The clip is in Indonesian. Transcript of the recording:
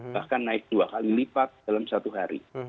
bahkan naik dua kali lipat dalam satu hari